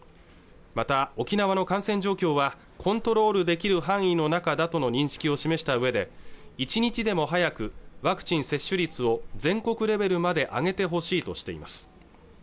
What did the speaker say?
また沖縄の感染状況はコントロールできる範囲の中だとの認識を示したうえで１日でも早くワクチン接種率を全国レベルまで上げてほしいとしています